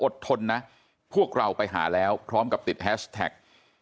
ทนนะพวกเราไปหาแล้วพร้อมกับติดแฮชแท็ก